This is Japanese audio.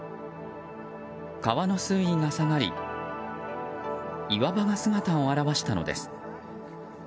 川の水位が下がり岩場が姿を現したのです。